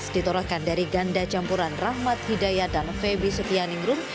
ditorokan dari ganda campuran rahmat hidayat dan feby setianingrum